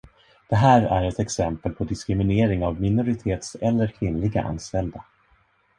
Det här är ett exempel på diskriminering av minoritets- eller kvinnliga anställda.